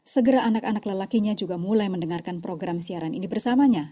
segera anak anak lelakinya juga mulai mendengarkan program siaran ini bersamanya